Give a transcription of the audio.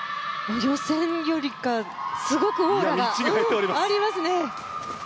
予選よりすごくオーラがありますね。